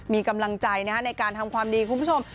มีกำลังใจในการทำความดีคุณผู้ชม